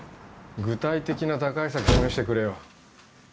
具体的な打開策示してくれよ